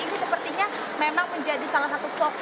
ini sepertinya memang menjadi salah satu fokus